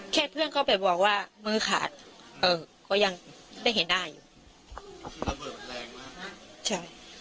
แค่เครื่องเขาไปบอกว่ามือขาดก็ยังไม่ได้เห็นหน้าอยู่